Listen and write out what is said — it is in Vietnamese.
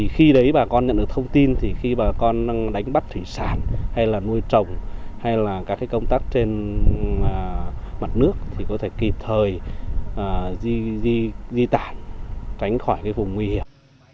khi bà con nhận được thông tin khi bà con đang đánh bắt thủy sản nuôi trồng hay các công tác trên mặt nước thì có thể kịp thời di tản cánh khỏi vùng nguy hiểm